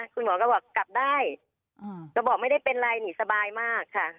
คุณหมอก็บอกกลับได้ก็บอกไม่ได้เป็นไรนี่สบายมากค่ะ